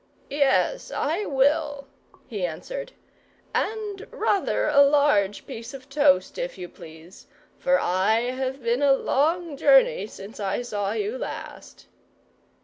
"Yes, I will," he answered; "and rather a large piece of toast, if you please; for I have been a long journey since I saw you last."